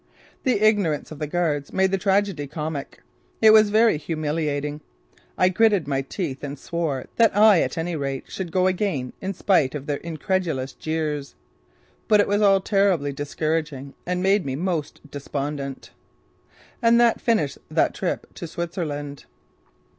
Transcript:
The ignorance of the guards made the tragedy comic. It was very humiliating. I gritted my teeth and swore that I at any rate should go again in spite of their incredulous jeers. But it was all terribly discouraging and made me most despondent. And that finished that trip to Switzerland.